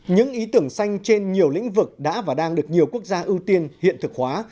những ý tưởng xanh trên nhiều lĩnh vực đã và đang được nhiều quốc gia ưu tiên hiện thực hóa